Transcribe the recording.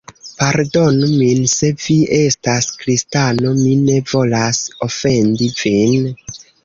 Pardonu min se vi estas kristano, mi ne volas ofendi vin.